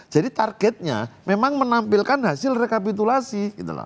jadi targetnya memang menampilkan hasil rekapitulasi